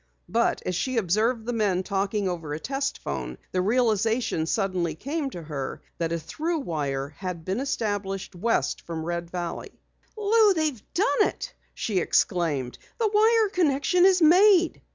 But as she observed the men talking over a test phone, the realization suddenly came to her that a through wire had been established west from Red Valley. "Lou, they've done it!" she exclaimed. "The wire connection is made!"